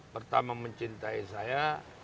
pertama mencintai saya